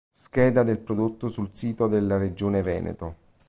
Scheda del prodotto sul sito della regione Veneto